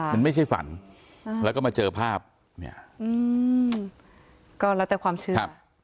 มันไม่ใช่ฝันแล้วก็มาเจอภาพเนี่ย